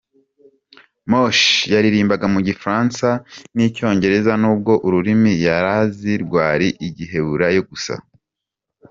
Moshé yaririmbaga mu gifaransa n’icyongereza n’ubwo ururimi yari azi rwari igiheburayo gusa.